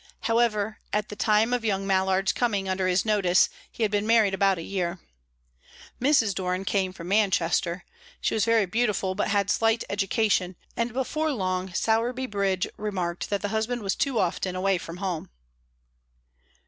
However, at the time of young Mallard's coming under his notice he had been married about a year. Mrs. Doran came from Manchester; she was very beautiful, but had slight education, and before long Sowerby Bridge remarked that the husband was too often away from home.